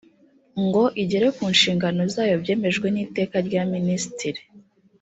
ngo igere ku nshingano zayo byemejwe n iteka rya minisitiri